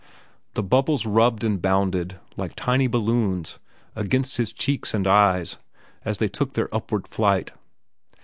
The bubbles rubbed and bounded like tiny balloons against his cheeks and eyes as they took their upward flight.